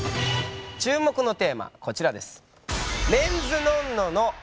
注目のテーマこちらです。